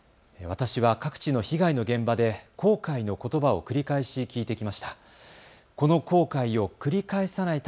私は各地の被害の現場で後悔のことばを繰り返し聞いてきました。